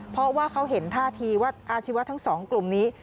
เพราะว่าเขาเห็นท่าทีว่าอาชีวะทั้งสองกลุ่มนี้